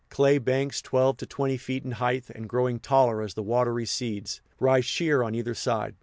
Clay banks twelve to twenty feet in height, and growing taller as the water recedes, rise sheer on either side.